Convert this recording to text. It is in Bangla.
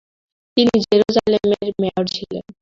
তিনি জেরুজালেমের মেয়র ছিলেন।